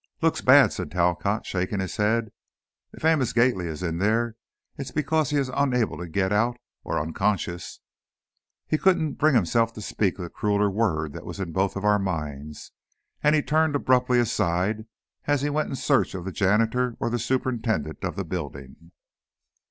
"Looks bad," said Talcott, shaking his head. "If Amos Gately is in there, it's because he's unable to get out or unconscious." He couldn't bring himself to speak the crueler word that was in both our minds, and he turned abruptly aside, as he went in search of the janitor or the superintendent of the building.